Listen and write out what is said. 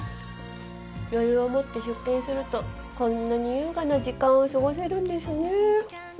余裕を持って出勤するとこんなに優雅な時間を過ごせるんですね。